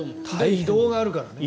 移動があるから。